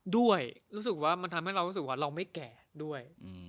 ด้วยรู้สึกว่ามันทำให้เรารู้สึกว่าเราไม่แก่ด้วย